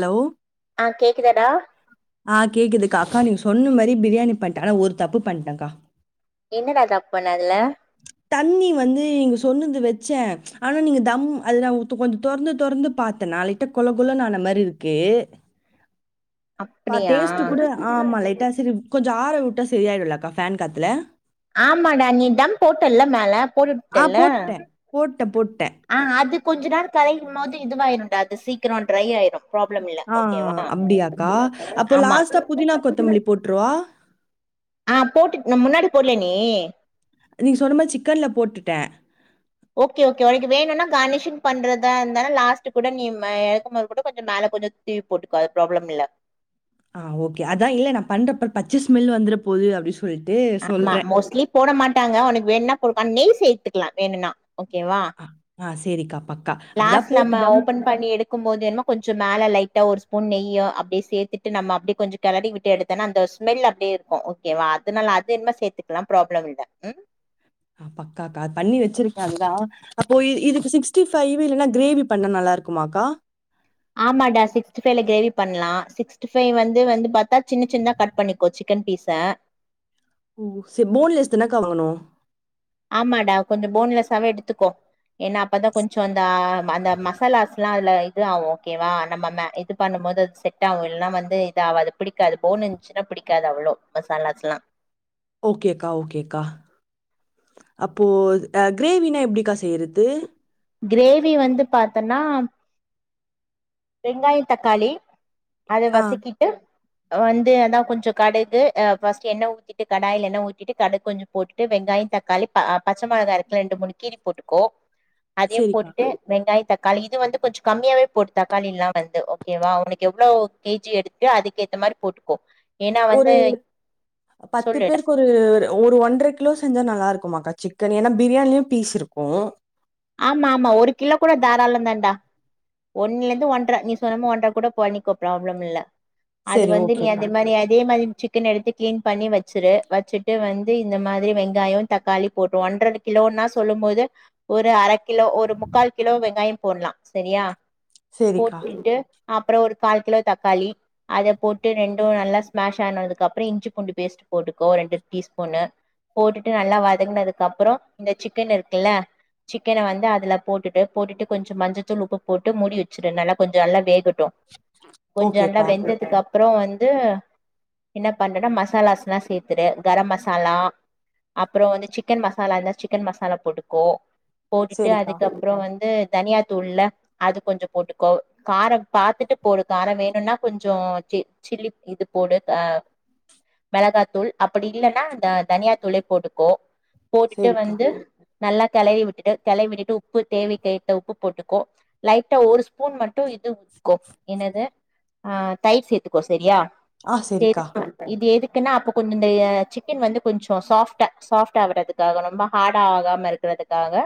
Love ஆஹ் கேக்குதாடா ஆஹ் கேக்குதுக்கா அக்கா நீங்க சொன்ன மாரி பிரியாணி பண்டே ஆனா ஒரு தப்பு பண்டக்கா என்னடா தப்பு பண்ண அதுல தண்ணி வந்து நீங்க சொன்னது வெச்சே ஆனா நீங்க தம் அது நா து கொஞ்ச தொறந்து தொறந்து பாத்தனா லைட்டா கொல கொலனு ஆன மாரி இருக்கு கா அப்டியா டேஸ்ட்டு கூட ஆமா லைட்டா செரி கொஞ் ஞ்ச ஆர விட்டா செரியாயிடுலக்கா ஃபேன் காத்துல ஆமாடா நீ தம் போட்டல்ல மேல போட்டுவுட்டல்ல ட்டே போட்டே கொஞ்ச நேர கலையும் போது இதுவாயிருடா அது சீக்கிர ட்ரை ஆயிரு ப்ராப்ளம் இல்ல ஆ ஓகேவா அப்டியாக்கா? அப்போ ஆமா லாஸ்ட்டா புதினா கொத்தமல்லி போட்றவா? ஆஹ் போட்டுட் நம் முன்னாடி போட்லேன் நீ நீங்க சொன்னமாரி சிக்கன்ல போட்டுட்டே ஓகே ஓகே ஒனக்கு வேணுனா கார்னிஷிங் பண்றதா இருந்தாலு லாஸ்ட்டு கூட நீ மெ எறக்கும்போது கூட கொஞ்ச மேல கொஞ்ச தூவி போட்டுக்கோ ஒரு ப்ராப்ளம் இல்ல ஆஹ் ஓகே அதா இல்ல நா பண்றப்ப பச்ச ஸ்மெல்னு வந்துரப் போது அப்டி சொ ஆமா மோஸ்ட்லி போட மாட்டாங்க ஒனக்கு வேண்னா போட் ஆஹ் நெய் சேர் த்துக்லா வேணுனா ஓகேவா ஆஹ் சேரிக்கா லாஸ்ட் நம்ம ஓப்பன் பண்ணி எடுக்கும் போது வேண்ணா கொஞ்ச மேல லைட்டா ஒரு ஸ்பூன் நெய்யு அப்டியே சேத்துட்டு நம்ம அப்டி கொஞ்ச கெளறி விட்டு எடுத்தனா அந்த ஸ்மெல் அப்டியே இருக்கு ஓகேவா அதனால அது வேணுனா சேத்துக்லா ப்ராப்ளம் இல்ல உம் ஆஹ் பக்காக்கா பண்ணி வச்சிருக்கே அதுதா அப்போ இதுக்கு சிக்ஸ்டி ஃபைவ் இல்லனா க்ரேவி பண்ண நல்லா இருக்குமாக்கா ஆமாடா சிக்ஸ்டி ஃபைல க்ரேவி பண்லா சிக்ஸ்ட்டி ஃபை வந்து வந்து பாத்தா சின்ன சின்தா கட் பண்ணிக்கோ சிக்கன் பீஸ ஓ செ போன் லெஸ் தானக்கா வாங்கணு ஆமாடா கொஞ்சொ போன் லெஸ்ஸாவே எடுத்துக்கோ ஏன்னா அப்பதா கொஞ்சொ அந்தா அந்த மசாலாஸ்லா அதுல இது ஆவு ஓகேவா நம்ம ம இது பண்ணம் போது அது செட்டாவு இல்னா வந்து இது ஆவாது பிடிக்காது போன் இந்த்ச்சுனா பிடிக்காது அவ்ளோ மாசாலாஸ்லா ஓகேக்கா ஓகேக்கா அப்போ அ க்ரேவீனா எப்டிக்கா செய்றது க்ரேவி வந்து பாத்தன்னா வெங்காயொ தக்காளி அத ஆ வசக்கிட்டு வந்து அதா கொஞ்சொ கடுகு ஆ ஃபஸ்ட்டு எண்ண ஊத்திட்டு கடாய்ல எண்ண ஊத்திட்டு கடுக் கொஞ்சம் போட்டுட்டு வெங்காயந் தக்காளி ப பச்ச மொளகா இருக்குல்ல ரெண்டு மூணு கீறி போட்டுக்கோ அதையும் சரிக்கா போட்டுட்டு வெங்காய தக்காளி இது வந்து கொஞ்சொ கம்மியாவே போட் தக்காளில்லா வந்து ஓகேவா ஒனக்கு எவ்ளோ கே ஜி எடுத்தியோ அதுக்கேத்த மாரி போட்டுக்கோ ஏன்னா ஒரு வந்து பத்து சொல்லுடா பேருக்கு ஒரு ஒரு ஒன்ற கிலோ செஞ்சா நல்லா இருக்கு மாக்கா சிக்கன் ஏன்னா பிரியாணிலயு பீஸ் இருக்கு ஆமா ஆமா ஒரு கிலோ கூட தாராளந்தான்டா ஒன்னுல இருந்து ஒன்ற நீ சொன்ன மா ஒன்ற கூட பண்ணிக்கோ ப்ராப்ளம் இல்ல அது சரி வந்து நீ ஓகேக்கா அதே மாரி அதே மாதிரி சிக்கன் எடுத்து கிளீன் பண்ணி வச்சிரு வச்சிட்டு வந்து இந்த மாதிரி வெங்காயோ தக்காளி போட்டு ஒன்ற கிலோன்னா சொல்லும் போது ஒரு ஒரு அரை கிலோ ஒரு முக்கால் கிலோ வெங்காயோ போடலா சரியா சரிக்கா போட்டுட்டு அப்பறோ ஒரு கால் கிலோ தக்காளி அத போட்டு ரெண்டு நல்லா ஸ்மாஷ் ஆனதுக்கு அப்பறோ இஞ்சி பூண்டு பேஸ்ட் போட்டுக்கோ ரெண்டு டீஸ் ஸ்பூன் போட்டுட்டு நல்லா வதங்கினதுக்கு அப்பறோ இந்த சிக்கன் இருக்குல்ல சிக்கன வந்து அதுல போட்டுட்டு போட்டுட்டு கொஞ்சோ மஞ்சத்தூள் உப்பு போட்டு மூடி வச்சிரு நல்லா கொஞ்சோ நல்லா வேகட் டு கொஞ்சோ நல்லா ஓகேக்கா வெந்ததுக்கு அப் அப்பறோ வந்து என்ன பண்றன்னா மசாலாஸ்ல்லா சேத்துரு கரம் மசாலா அப்பறோ வந்து சிக்கன் மசாலா இருந்தா சிக்கன் மசாலா போட்டுக்கோ போட்டுட்டு சரிக்கா அதுக்கப்பறோ வந்து தனியாத்தூள்ல்ல அது கொஞ்சோ போட்டுக்கோ காரம் பாத்துட்டு போடு காரம் வேணுன்னா கொஞ்சோ சி சில்லி இது போடு ஆ மெளகாத்தூள் அப்டி இல்லைன்னா அ தனியாதூளே போட்டுக்கோ போட்டுட்டு சரிக்கா வந்து நல்லா கிளவி விட்டு கிளவி விட்டுட்டு உப்பு தேவைக்கு ஏத்த உப்பு போட்டுக்கோ லைட்டா ஒரு ஸ்பூன் மட்டு இது ஊத்திக்கோ என்னது ஆ தயிர் சேத்துக்கோ சரியா ஆ சரிக்கா சேரிக்கா இது எதுக்கு கேனா அப்ப கொஞ்சோ இந்தய சிக்கன் வந்து கொஞ்சோ சாஃப்ட்டா சாஃப்ட ஆகறதுக்காகனு ரொம்ப ஹார்டா ஆகாம இருக்கறதுக்காக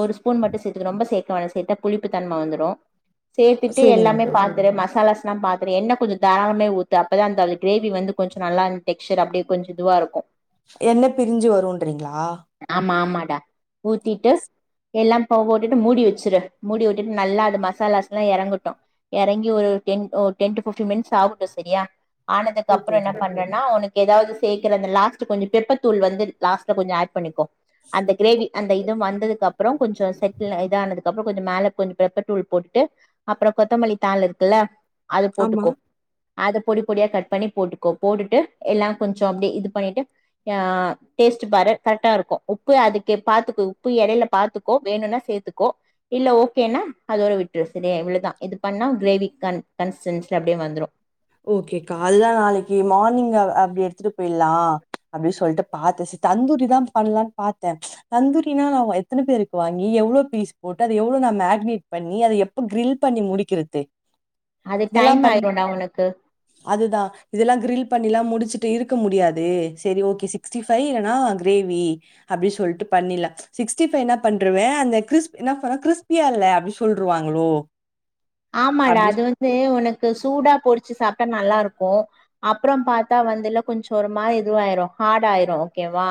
ஒரு ஸ்பூன் மட்டு சேத்துக்கு ரொம்ப சேக் ப, பழோ சேத்தா புளிப்புத்தன்ம வந்துரு சேத்துட்டு எல்லாமே சரிங்கக்கா பாத்துரு மசாலாஸ் நா பாக்கற எண்ண கொஞ்சோ தாராலமே ஊத்து அப்பதா அந்தலு கிரேவி வந்து கொஞ்சோ நல்லா அந்த டெக்ஸ்சர் அப்டே கொஞ்ச இதுவா இருக்கு எண்ண பிரிஞ்சு வருன்றீங்களா மாமாடா ஊத்திட்டு எல்லா போகவுட்டுட்டு மூடி வெச்சுரு மூடி உட்டுட் நல்லா அது மசாலாஸ்லா எறங்கட்டு எறங்கி ஒரு டென் ஒ டென் டூ பிப்டீன் மினிஸ் ஆகட்டு செரியா ஆனதுக்கப்பறோ ஓகேக்கா என்ன பண்றன்னா உனக் எதாவது சேக்கற அந்த லாஸ்ட் கொஞ்ச பெப்பர்த்தூள் வந்து லாஸ்ட்ல கொஞ்சோ ஆட் பண்ணிக்கோ அந்த கிரேவி அந்த இது நண்டுது அப்புறம் கொஞ்சம் செட்டில் இத ஆனதுக்கு அப்புறம் கொஞ்சம் மேல கொஞ்சம் பெப்பர் தூள் போட்டு அப்பறம் கொத்தமல்லி தாள் இருக்குயில்ல அத ஆமா. போட்டுக்கோ அதை பொடி பொடியாக கட் பண்ணி போட்டுக்கோ போட்டுட்டு எல்லாம் கொஞ்சம் அப்படியே இது பண்ணிவிட்டு டேஸ்ட் பாரு கரெக்டாக இருக்கும் உப்பு அதுக்கு பார்த்துக்கு உப்பு இடையில் பாத்துக்கோ வேணும்னா சே்த்துக்கோ இல்ல ஓகேன்னா அதோட விட்டு சரிய இவ்வளவுதான் இது பண்ணா கிரேவி கன்சிஸ்டன்சில அப்படியே வந்துடும் ஓகே கால்ல நாளைக்கு மார்னிங் அப்படி எடுத்துட்டு போயிடலாம் அப்படின்னு சொல்லிட்டு பா்த்தேன் தந்தூரி தான் பண்ணலான்னு பார்த்தேன் தந்தூரினா நான் எத்தனை பேருக்கு வாங்கி எவ்ளோ பீஸ் போட்டு அதை எவ்வளோ நான் மேக்னேட் பண்ணி அதை எப்ப கிரில் பண்ணி முடிக்கிறது அது டைம் இதெல்லாம் பண்ணி ஆயிரும்டா உன்க் அதுதான் இதெல்லாம் கிரில் பண்ணில எல்ல முடிச்ச வைச்சிட்டு இருக்க முடியாது சரி ஓகே சிக்ஸ்டி ஃபைவ் இல்லனா கிரேவி அப்புடின்னு சொல்லிட்டு பண்ணிலாம் ச் சிக்ஸ்டி ஃபைவ் என்ன பண்ணிருவேன் அந்த கிஸ்பியா என்ன கிஸ்பியா இல்ல அப்படி சொல்லிருவாங்களோ ஆமாடா அது வந்து உனக்கு சூடா பொறிச் வைச்ச சாப்பிட்டா நல்லா இருக்கும் அப்புறம் பார்த்தா வந்துல கொஞ்சம் ஒரு மாி இதுவாயிரும் ஹார்ட் ஆயிரும் ஓகேவா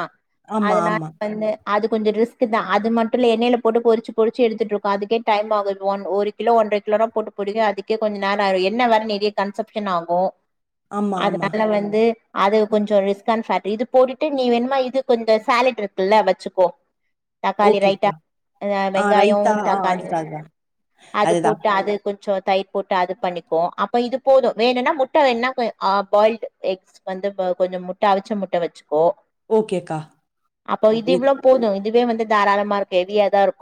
ஆமா, அதனால ஆமா. வந்து அதுக்கு கொஞ்சம் ரிஸ்க் தான் அது மட்டும் இல்ல எண்ணெயில போட்டு பெறிச்சி பெறிச்சி எடுத்துட்டு இருக்கும் அதுக்கே டைம் ஆகும் ஒரு கிலோ ஒன்றரை போட்டு முடிக்க அதுக்கு கொஞ்சம் நேரம் ஆயிரும் என்ன வேற நிறைய கன்சப்ஷன் ஆகும் ஆமா, ஆமா. அதனால வந்து அது கொஞ்சம் ரிஸ்க ஃபேக்ட் இது போட்டுட்டு நீ வேணுமா இது கொஞ்சம் சேலட் இருக்குல்ல வச்சுக்கோ தக்காளி ரைத்தா ஓகேக்கா. ஆ வெங்காயம் ரைத்தா ஆ தக்காளி அதுதான் அதுதான். அது அதுதான். போட்டு அது கொஞ்சம் தயிர் போட்டு அது பண்ணிப்போம் அப்போ இது போதும் வேணும்னா முட்டை வேன்ன பாயில் எக்ஸ் வந்து கொஞ்சம் முட்டை அவிச்ச முட்டை வச்சு போ ஓகேக்கா. அப்போ இது ஓகே. இவ்வளவு போதும் அதுவே வந்து தாராளமா இருக்கு கேவியாதான் இருக்கும்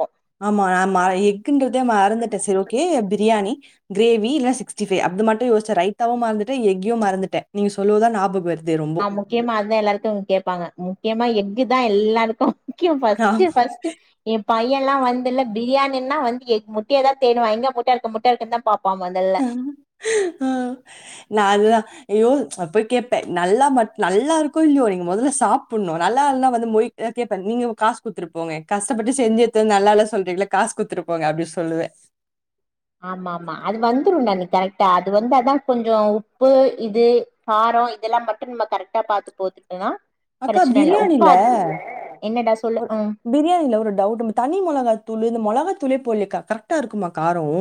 ஆமா ந எக்குன்றதே மறந்துட்டேன் சரி ஓகே அப்படி பிரியாணி கிரேவி இல்ல சீஸ்ட்டிபை அது மட்டும் யோசிச்சேன் மறந்து எியும் மறந்துட்டே நீங்க சொல்லான் ஞாபகம் வருது ரொம்போ. ஆஹ் முக்கியமா அதுதான் எல்லாருக்கும் கேட்பாங்க முக்கியமா இதான் எல்லாருக்கும் முக்கியம்ஃஸ் ஃபஸ்ட் ஆமா. ஃபஸ்ட்டு பையன் எல்லா வந்து இல பிரியாணின்னா வந்து முட்டைய தான் தேடுவன் எங்க முட்டா இருக்கு முட்டா இருக்கு தான் பா ஹ நான் அதுதான் யோ நான் போய் கேட்பன் நல்லா ம நல்லா இருக்கோ இல்லையோ நீங்க முதல்ல சாப்பிடணும் நல்லா இருந்தா வந்து மொய் கேப்பேன் நீங்க காசு குத்துருப்போங்க கஷ்டப்பட்டு செஞ்சு எ நல்லா இள சொல்றீங்கள காசு குத்துருப்போங்க அப்படின்னு சொல்லுவேன் ஆமா ஆமா அது வந்துரும்ண்டா நீ கரெக்டா அது வந்து அதான் கொஞ்சம் உப்பு இது காரம் இதெல்லாம் மட்டும் நம்ம கரெக்டா பாாரத்து போத்துட்டோ தான் அக்கா பிரியாணி இல என்னடா சொல்லு ஒரு ம் பிரியாணி இல்ல ஒரு டவுட் தனி மிளகா தூள் இந்த மிளகா தூளே போல கரெக்டா இருக்குமா காரம்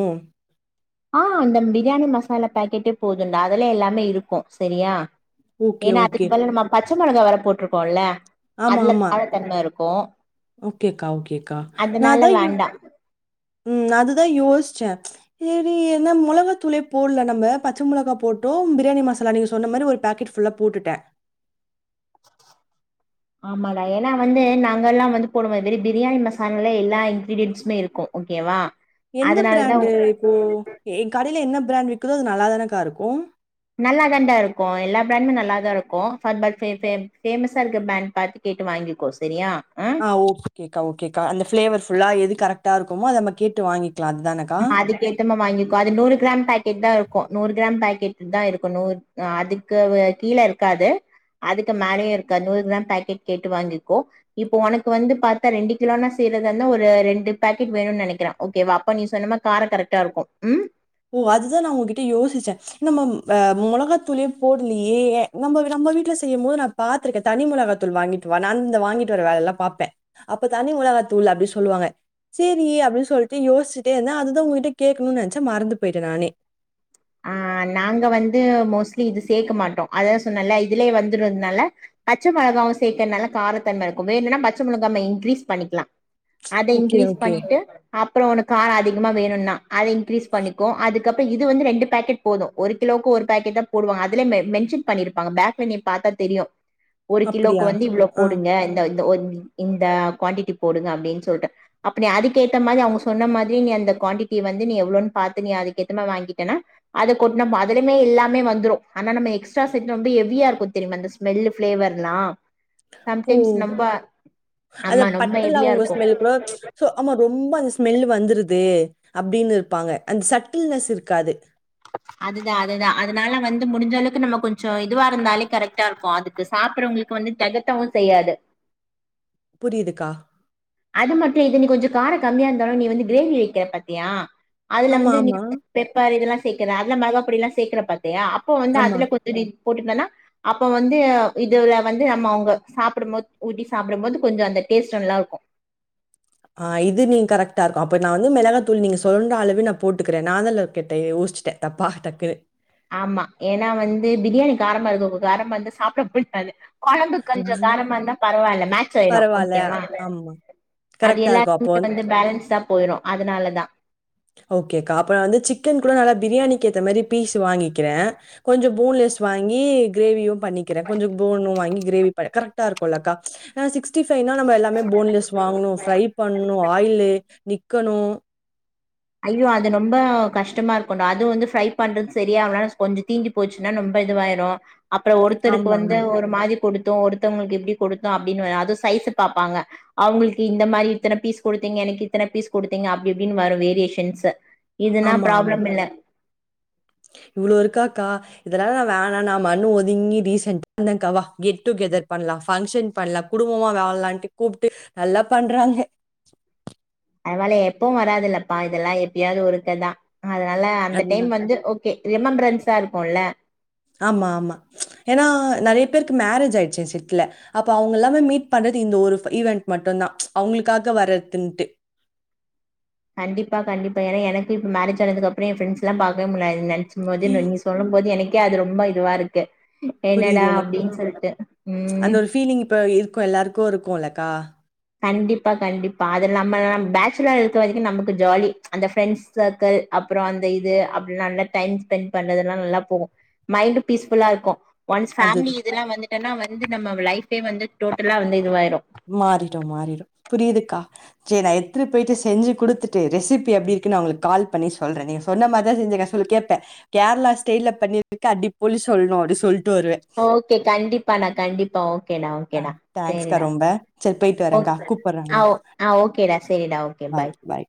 ஆஹ் அந்த பிரியாணி மசாலா பாக்கெட்டே போதும்ண்டா அதுலே எல்லாமே இருக்கும் சரியா ஓகே, ஏனா ஓகே. அதுக்கு பதில் [unintelligible] ச்ச மொளகா வேற போட்ருக்கோல்ல ஆம அதுல ஆமா காரத்தன்ம இருக்கு ஓகேக்கா ஓகேக்கா நா அதனால அதா யோ வேண்டா ம் அதுதா யோஸ்ச்சே ஏரி என்ன மொளகா தூளே போல்ல நம்ப பச்ச மொளகா போட்டோம் பிரியாணி மசாலா நீங்க சொன்ன மாரி ஒரு பேக்கெட் ஃபுல்லா போட்டுட்டே ஆமாடா ஏனா வந்து நாங்க எல்லா வந்து போடும்ப வெரி பிரியாணி மசாங்களே எல்லா இன்கிரீடியன்ட்ஸுமே இருக்கூ ஓகேவா எந்த அதனாலதா பிராண்டு இப்போ எ எக் கடையில என்னப் பிராண்ட் விக்குதோ அது நல்லாதானக்காருக்கூ நல்லா தாண்டா இருக்கூ எல்லா பிராண்ட்மே நல்லாதா இருக்கூ [unintelligible] ஃபேமஸா இருக்க பிராண்ட் பாத்து கேட்டு வாங்கிக்கோ செரியா ஆ ஓகே கேக்கா ஓகேக்கா அந்த ஃபிளேவர் ஃபுல்லா எது கரெக்டா இருக்குமோ அத நம்ம கேட்டு வாங்கிக் ம் அதுக்கேத்தமா வாங்கிக்கோ அது நூறு கிராம் பேக்கெட் தா இருக்கு நூறு கிராம் பேக் கெட்டு தா இருக்கு நூத் அதுக்குவு கீழ இருக்காது அதுக்கு மேலயு இருக்கா நூறு கிராம் பேக்கெட் கேட்டு வாங்கிக்கோ இப்ப ஒனக்கு வந்து பாத்தா ரெண்டு கிலோனா செய்றதன்ன ஒரு ரெண்டு பேக்கெட் வேணுன் நெனைக்கிறே ஓகேவா அப்ப நீ ஸ் சொன்னமா காரொ கரெக்ட்டா இருக்கு உம் ஓ அதுதா நா உங்ககிட்ட யோசிச்சே நம்மம் ப மொளகாத்தூளே போட்லியே ஏ நம்ப நம்ப வீட்ல செய்யம் போது நா பாத்திருக்கே தனி மொளகாத்தூள் வாங்கிட்டு வா நான் இந்த வாங்கிட்டு வர வேல எல்லா பாப்பே அப்ப தனி மொளகாத்தூள் அப்டி சொல்லுவாங்க சேரி அப்டி சொல்ட்டு யோஸ்சிட்டே இருந்தே அதுதா உங்க கிட்ட கேக்குணுன் நெனைச்சே மறந்து போய்ட்டே நானே அ நாங்க வந்து மோஸ்ட்லி இது சேக்க மாட்டோ அதா சொன்னல்ல இதுலே வந்துருதுனால பச்ச மொளகாவு சேக்கர்னால காரத்தன்மருக்கு வேணுனா பச்ச மொளகாமை இன்க்கிரீஸ் பண்ணிக்லா அத ஓகே, இன்கிரீஸ் ஓகே. பண்ணிட்டு அப்புறோ உனக் கார அதிகமா வேணுன்னா அத இன்கிரீஸ் பண்ணிக்கு அதுக் கப்ற இது வந்து ரெண்டு பேக்கெட் போது ஒரு கிலோவுக்கு ஒரு பேக்கெட் தா போடுவாங்க அதுல மெ மென்ஷன் பண்ணிருப்பாங்க பேக்ல நீ பாத்தா தெரியு ஒரு கிலோக்கு அப்படியா? வந்து இவ்ளோ ஆ. போடுங்க இந்த ந்த ஒந் இந்த குவான்டிட்டி போடுங்க அப்டின் சொல்ட்டு அப்ப நீ அதுக்கேத்த மாதி அவுங்க சொன்ன மாதிரி நீ அந்த குவான்டிட்டிய வந்து நீ எவ்ளோன் பாத்து நீ அதுக்கேத்த மா வாங்கிட்டேனா அத கொட் நம் அதுலிமே எல்லாம வந்துரு ஆனா நம்ம எஸ்ட்ரா [unintelligible] எவியா இருக்கு தெரியுமா அந்த ஸ்மெல்லு ஃபிளேவர்ல்லா ஓ அத ஆமா ரொம்ப பட்ட ஹெவியா லவங்க இருக்கு ஸ்மெல் கூடொ சோ ஆமா ரொம்ப அந்த ஸ்மெல் வந்துருது து அப்டின்னு இருப்பாங்க அந்த சட்டில்னஸ் இருக்காது அதுதா அதுதா அதுனால வந்து முடிஞ்சளவுக்கு நம்ம கொஞ்சோ இதுவா இருந்தாலே கரெக்ட்டா இருக்கு அதுக்கு சாப்பிறவங்களுக்கு வந்து தெகட்டவு செய்யாது புரிதுக்கா அது மட்டு இது நீ கொஞ்சோ கார கம்மியா இருந்தாலு நீ வந்து கிரேவி வெக்கிற பாத்தியா அதுல ஆமா, வந்து நீ ஆமா, ப் பெப்பர் இதெல்லா சேக்கற அதெல மெளகாப்படிலா சேக்கற பா தியா அப்ப வந்து ஆமா. அதுல கொஞ்சோ டின் போட்டுட்டோன்னா அப்ப வந்து அ இதுல வந்து நம்ம அவுங்க சாப்பிடும்போ ஊத்தி சாப்படும் போது கொஞ்சோ அந்த டேஸ்ட் நல்லாருக்கு ஆஹ் இது நீங் கரெக்டா இருக்கு அப்ப நா வந்து மிளகா தூள் நீங்க சொன்ன அளவே நா போட்டுக்கிறே நாதல்ல கேட்ட யோஸ்ச்சுட்டே தப்பா டக்குனு ஆம்மா ஏனா வந்து பிரியாணி காரமா இருக்க கு காரமா இந்தா சாப்ட [unintelligible] கொழம்பு கொஞ்ச காரமாருந்தா பரவால்ல மேச் ஆயிரு பரவால்ல. ஓகேவா ஆமா. அது கரெக்ட்டா எல்லா இருக்கும். அப்போ [inaudible] வந்து பேலன்ஸா போயிரு அதுனாலதா ஓகேக்கா அப்ப நா வந்து சிக்கன் கூட நல்லா பிரியாணிக்கு ஏத்த மாரி பீஸ் வாங்கிக்கிறே கொஞ்சோ போன்லெஸ் வாங்கி கிரேவியு பண்ணிக்கிறே கொஞ்சோ போனு வாங்கி கிரேவி ப கரெக்டாருக்குல்லக்கா அ சிக்ஸ்டி ஃப் ஃபைனா நம்ப எல்லாமே போன்லெஸ் வாங்குணு ஃப்ரை பண்ணு ஆயிலு நி கணு ஐயோ அது ரொம்ப கஷ்டமா இருக்குன்டா அது வந்து ஃப்ரை பண்றது சரியாவல கொஞ்சோ தீஞ்சி போச்சுன்னா நொம்ப இதுவாயிரு அப்புற ஒருத்தருக்கு ஆமா, வந்து ஆமா. ஒரு மாரி குடுத்தோ ஒருத்தவங்களுக்கு இப்டி குடுத்தோ அப்டினு அது சைஸ்ஸ பாப்பாங்க அவுங்களுக்கு இந்த மாரி இத்தன பீஸ் குடுத்தீங்க எனக்கு இத்தன பீஸ் குடுத்தீங்க அப்டி இப்டின்னு வரு வேரியே ஷன்ஸ் இதுனா ஆமா, ஆமா. ப்ராப்ளம் இல்ல இவ்ளோ இருக்காக்கா இதெல்லா நா வேணா நா மனு ஒதுங்கி டீசென்ட்டா இருந்தேங்க்கா வா கெட் டு கெதர் பண்லா ஃபங்க்ஷன் பண்லா குடும்பமா வாழலான்ட்டு கூப்ட்டு நல்லா பண்றாங்க பரவால எப்பவு வராதில்லப்பா இதெல்லா எப்பயாது ஒருக்கதா அதனால அந்த டைம் அதுதான் வந்து ஓகே ரிமெம்பர் அனுப்பிச்சிட்டாரு கொல ஆமாமா ஏனா நெறய பேருக்கு மேரேஜ் ஆயிடுச்சு செட்ல அப்ப அவுங்க எல்லாமே மீட் பண்றது இந்த ஒரு ஈவென்ட் மட்டுந்தா அவுங்களுக்காக வர்றதுன்ட்டு கண்டிப்பா கண்டிப்பா ஏனா எனக்கு இப்ப மேரேஜ் ஆனதுக்கப்றோ என் ஃப்ரெண்டஸ்ஸெல்லா பாக்கவே முல்ல அத நெ ச்சும்போது நீங்க சொல்லும்போது என கே அது ரொம்ப இதுவா இருக்கு என்னடா புரிது எனக்கு அப்படின்னு சொல்லிட்டு. அந்த ம். ஒரு ஃபீலிங் இப்ப இருக்கு எல்லாருக்கு இருக் குல்லக்கா கண்டிப்பா கண்டிப்பா அதுல நம்ம பேச்சுலரா இருக்க வரைக்கு நமக்கு ஜாலி அந்த ஃப்ரெண்ட்ஸ் சர்க்கிள் அப்றோ அந்த இது அப்படல்லா நல்லா டைம் ஸ்பென்ட் பண்றது எல்லா நல்லா போகு மைண்ட் பீஸ் ஃபுல்லா இருக்கு ஒன்ஸ் அதுதான் ஃபேமிலி இதெல்லா வந்துட்டன்னா வ ந்து நம்ம லைஃப் டைம் வந்து டோட்டலா வந்து இதுவா மாறி ட்டு மாறிரு புரிதுக்கா செரி நா எத்துட்டு போயிட்டு செஞ்சு குடுத்துட்டு ரெசிப்பி எப்டி இருக்குனு அவுங்களுக்கு கால் பண்ணி சொல்றே நீங்க சொன்ன மாதிரிதா செஞ்சிருக்கே சொல் கேப்பே கேரளா ஸ்டைல்ல பண்ணியிருக்கே அடி பொலி சொல்ணு அப்டின் சொல் ஓகே கண்டிப்பானா கண்டிப்பா ஓ ஆ தேங்க்ஸ்கா ரொம்ப செர் போயிட்டு ஓ வறேங்க்கா ஆ கூப்படுறங்க ஓ ஆ ஓகேடா. சரிடா. ஓகே. பாய் பாய்